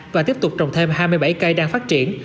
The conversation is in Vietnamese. và tiếp tục trồng thêm hai mươi bảy cây đang phát triển